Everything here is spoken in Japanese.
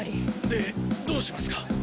でどうしますか？